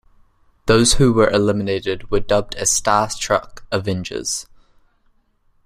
Those who were eliminated were dubbed as "StarStruck Avengers".